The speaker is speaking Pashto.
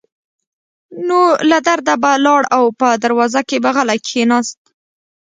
نو له درده به لاړ او په دروازه کې به غلی کېناست.